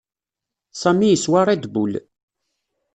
Sami yeswa Red Bull.